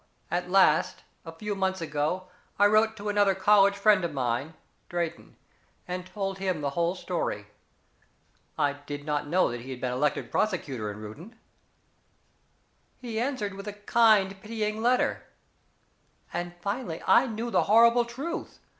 At last, a few months ago, I wrote to another college friend of mine, Drayton, and told him the whole story. I did not know that he had been elected prosecutor in Reuton. He answered with a kind pitying letter and finally I knew the horrible truth.